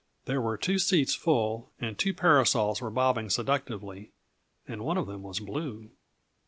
There were two seats full, and two parasols were bobbing seductively, and one of them was blue.